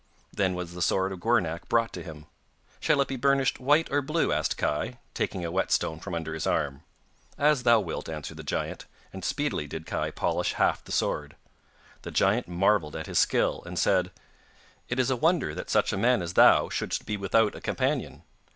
Then was the sword of Gwrnach brought to him. 'Shall it be burnished white or blue?' said Kai, taking a whetstone from under his arm. 'As thou wilt,' answered the giant, and speedily did Kai polish half the sword. The giant marvelled at his skill, and said: 'It is a wonder that such a man as thou shouldst be without a companion.